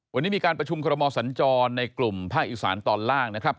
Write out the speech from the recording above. วันนี้มีการประชุมคอรมอสัญจรในกลุ่มภาคอีสานตอนล่างนะครับ